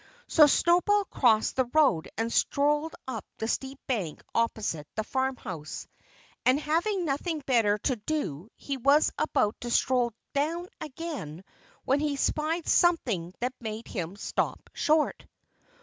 So Snowball crossed the road and strolled up the steep bank opposite the farmhouse. And having nothing better to do he was about to stroll down again when he spied something that made him stop short.